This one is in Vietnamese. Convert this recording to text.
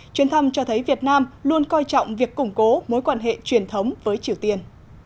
chuyến thăm cho thấy việt nam luôn coi trọng việc củng cố mối quan hệ truyền thống với triều tiên